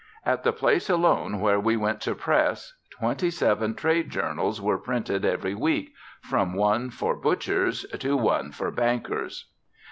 At the place alone where we went to press twenty seven trade journals were printed every week, from one for butchers to one for bankers.